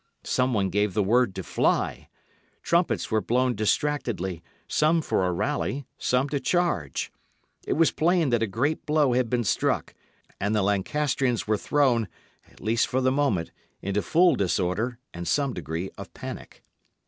Some one gave the word to fly. Trumpets were blown distractedly, some for a rally, some to charge. It was plain that a great blow had been struck, and the Lancastrians were thrown, at least for the moment, into full disorder, and some degree of panic.